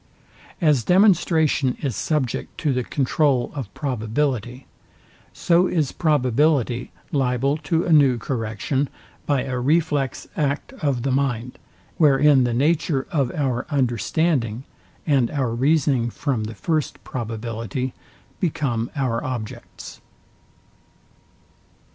As demonstration is subject to the controul of probability, so is probability liable to a new correction by a reflex act of the mind, wherein the nature of our understanding, and our reasoning from the first probability become our objects.